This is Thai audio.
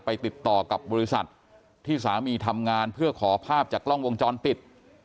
ติดต่อกับบริษัทที่สามีทำงานเพื่อขอภาพจากกล้องวงจรปิด